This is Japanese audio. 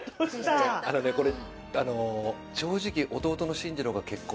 あのねこれ。